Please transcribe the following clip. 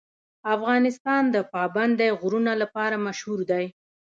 افغانستان د پابندی غرونه لپاره مشهور دی.